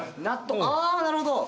あなるほど。